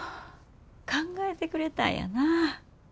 考えてくれたんやな。